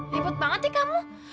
liput banget nih kamu